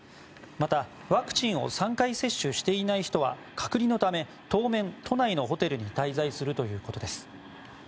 また、ワクチンを３回接種していない人は隔離のため当面、都内のホテルに滞在するということです。